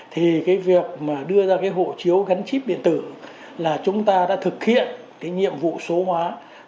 thì cái việc mà đưa ra cái hộ chiếu gắn chip điện tử là chúng ta đã thực hiện cái nhiệm vụ số hóa